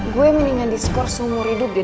gue mendingan di score seumur hidup deh